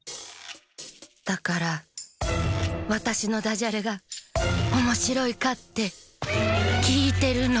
だからわたしのダジャレがおもしろいかってきいてるの！